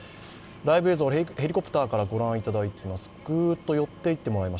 ライブ映像、ヘリコプターからご覧いただいています。